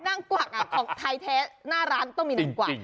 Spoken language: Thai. นั่งกวักของไทยแท้หน้าร้านต้องมีนางกวัก